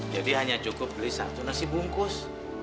jadi hanya cukup beli satu nasi bungkus